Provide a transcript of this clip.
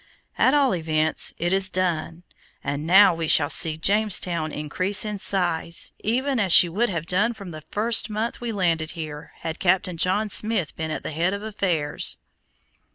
At all events, it is done, and now we shall see Jamestown increase in size, even as she would have done from the first month we landed here had Captain John Smith been at the head of affairs."